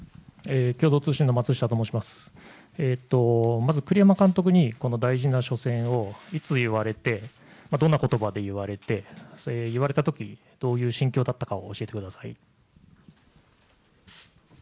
まず、栗山監督に大事な初戦をいつ言われてどんな言葉で言われて、言われたとき、どういう心境だったかを教えてください。